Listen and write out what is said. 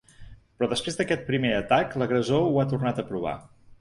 Però després d’aquest primer atac, l’agressor ho ha tornat a provar.